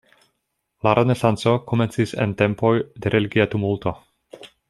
La Renesanco komencis en tempoj de religia tumulto.